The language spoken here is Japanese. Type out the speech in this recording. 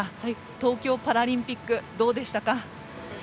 東京パラリンピックどうでしたか？